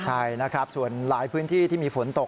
ใช่นะครับส่วนหลายพื้นที่ที่มีฝนตก